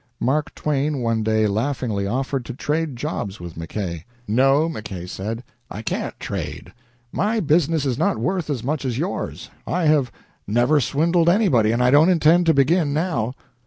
Mark Twain one day laughingly offered to trade jobs with Mackay. "No," Mackay said, "I can't trade. My business is not worth as much as yours. I have never swindled anybody, and I don't intend to begin now."